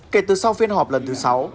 kể từ sau phiên họp lần thứ sáu